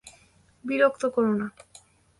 বিরক্ত কোরো না।